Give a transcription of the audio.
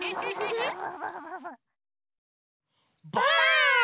ばあっ！